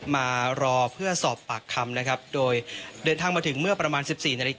มารอเพื่อสอบปากคำนะครับโดยเดินทางมาถึงเมื่อประมาณสิบสี่นาฬิก